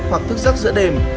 hoặc thức giấc giữa đêm